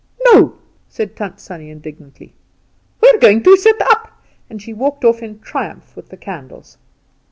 "No," said Tant Sannie, indignantly; "we're going to sit up!" and she walked off in triumph with the candles.